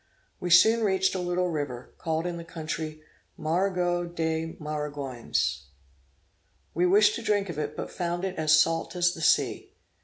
We soon reached a little river, called in the country Marigot des Maringoins. We wished to drink of it, but found it as salt as the sea.